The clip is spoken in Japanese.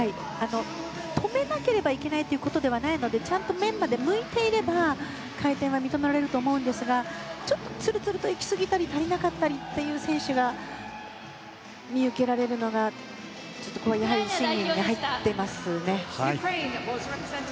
止めなければいけないということではないのでちゃんと面まで向いていれば回転は認められると思うんですが、ちょっとつるつると行きすぎたり足りなかったりという選手が見受けられるのがちょっと審議に入っていますね。